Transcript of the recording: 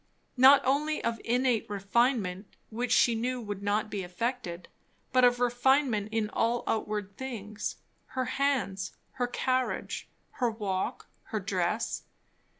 Not only of innate refinement, which she knew would not be affected, but of refinement in all outward things; her hands, her carriage, her walk, her dress.